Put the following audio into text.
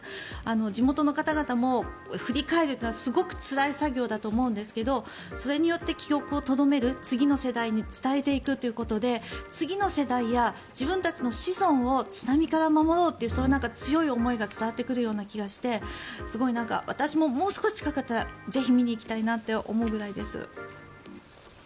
地元の方々も振り返るというのはすごくつらい作業だと思うんですがそれによって記憶をとどめる次の世代に伝えていくということで次の世代や自分たちの子孫を津波から守ろうというそういう強い思いが伝わってくるような気がしてすごい、私ももう少し近かったらぜひ見に行きたいなと思うぐらいです。